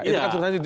itu kan substansi